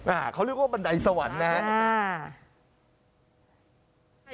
อ่าเขาเรียกว่าบันไดสวรรค์นะครับ